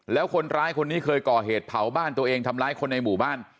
แล้วคนร้ายคนนี้เคยก่อเหตุเผาบ้านตัวเองทำร้ายคนในหมู่บ้าน